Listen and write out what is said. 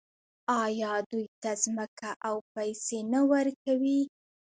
آیا دوی ته ځمکه او پیسې نه ورکوي؟